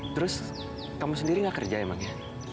terus kamu sendiri gak kerja emang ya